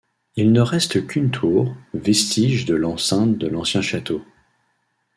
Il ne reste qu’une tour, vestige de l'enceinte de l'ancien château.